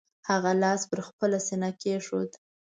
هغه لاس پر خپله سینه کېښود.